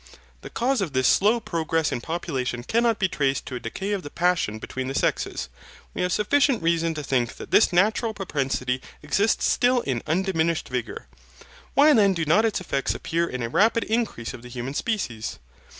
The cause of this slow progress in population cannot be traced to a decay of the passion between the sexes. We have sufficient reason to think that this natural propensity exists still in undiminished vigour. Why then do not its effects appear in a rapid increase of the human species?